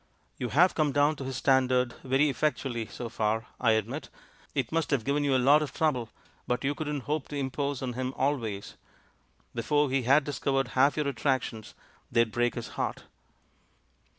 You have come down to his stand ard very effectually so far, I admit — it must have given you a lot of trouble — but you couldn't hope to impose on him always; before he had discov ered half your attractions they'd break his heart."